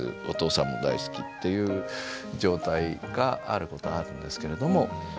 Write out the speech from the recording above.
お父さんも大好きっていう状態があることはあるんですけれども。